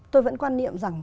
tôi vẫn quan niệm rằng